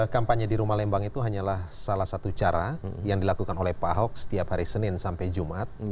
kampanye di rumah lembang itu hanyalah salah satu cara yang dilakukan oleh pak ahok setiap hari senin sampai jumat